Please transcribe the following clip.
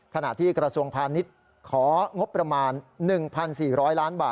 ขณะที่กระทรวงพาณิชย์ของงบประมาณ๑๔๐๐ล้านบาท